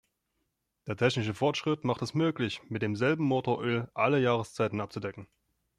Der technische Fortschritt macht es möglich, mit demselben Motoröl alle Jahreszeiten abzudecken.